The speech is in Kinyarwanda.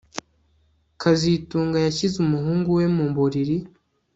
kazitunga yashyize umuhungu we mu buriri